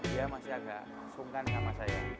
dia masih agak sungkan sama saya